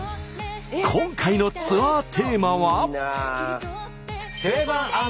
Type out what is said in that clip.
今回のツアーテーマは。